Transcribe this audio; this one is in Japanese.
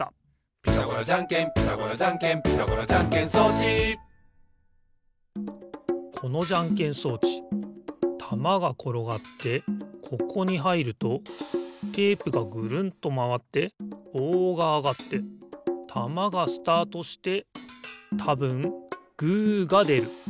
「ピタゴラじゃんけんピタゴラじゃんけん」「ピタゴラじゃんけん装置」このじゃんけん装置たまがころがってここにはいるとテープがぐるんとまわってぼうがあがってたまがスタートしてたぶんグーがでる。